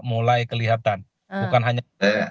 mulai kelihatan bukan hanya